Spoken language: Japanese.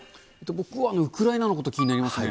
僕はウクライナのこと気になりますね。